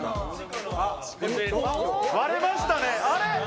割れましたねあれ。